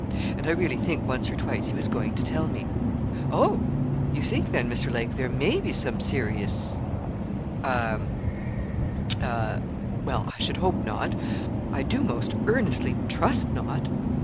And I really think once or twice he was going to tell me.' 'Oh! you think then, Mr. Lake, there may be some serious a a well, I should hope not I do most earnestly trust not.'